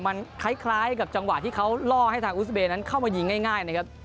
มันคล้ายกับจังหวะที่เขาล่อให้ทางอุสเบย์นั้นเข้ามายิงง่ายนะครับ